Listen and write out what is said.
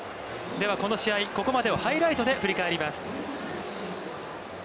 ではこの試合、ここまでをハイライトで振り返ります。